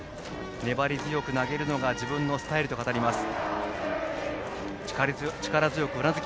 粘り強く投げるのが自分のスタイルと語ります。